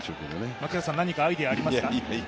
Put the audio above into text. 槙原さん、何かアイデアありますか？